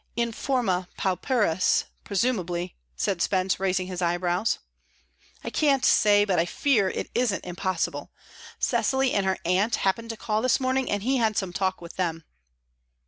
"In forma pauperis, presumably," said Spence, raising his eyebrows. "I can't say, but I fear it isn't impossible. Cecily and her aunt happened to call this morning, and he had some talk with them."